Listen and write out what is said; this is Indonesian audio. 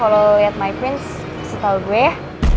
lo liat my prince kasih tau gue ya